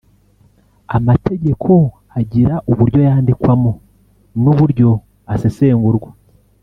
“Amategeko agira uburyo yandikwamo n’uburyo asesengurwa